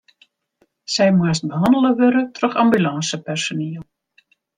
Sy moast behannele wurde troch ambulânsepersoniel.